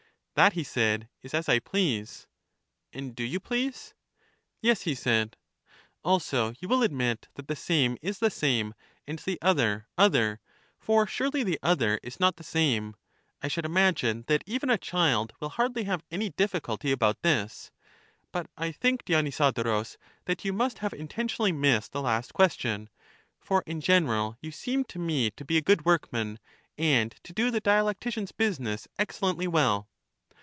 That, he said, is as I please. And do you please? 266 EUTHYDEMUS Yes, he said. Also you will admit that the same is the same, and the other other; for surely the other is not the same; I should imagine that even a child will hardly have any difficulty about this^ But, I think, Dionysodorus, that you must have intentionally missed the last ques tion; for in general you seem to me to be a good workman, and to do the dialectician's business excel lently well.